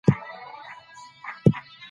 صنعت به په ټوله نړۍ کي خپور سي.